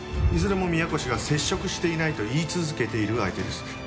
いずれも宮越が接触していないと言い続けている相手です。